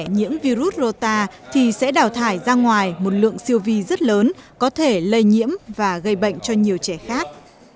nhiễm virus rota thì sẽ đào thải ra ngoài một lượng siêu vi rất lớn có thể lây nhiễm và gây bệnh cho nhiều trẻ khác